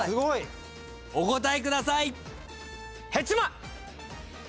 お答えください。